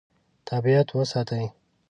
طبیعت وساتئ.